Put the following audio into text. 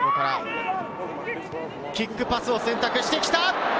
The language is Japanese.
キックパスを選択してきた。